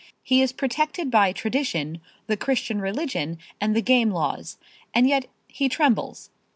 He is protected by tradition, the Christian religion and the game laws. And yet he trembles.